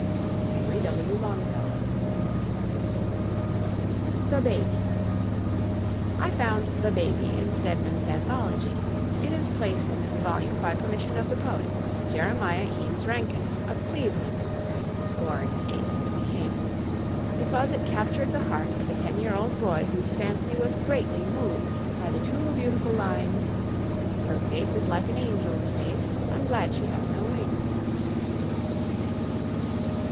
HENRY W. LONGFELLOW. THE BABIE. I found "The Babie" in Stedman's "Anthology." It is placed in this volume by permission of the poet, Jeremiah Eames Rankin, of Cleveland (1828 ), because it captured the heart of a ten year old boy whose fancy was greatly moved by the two beautiful lines: "Her face is like an angel's face, I'm glad she has no wings."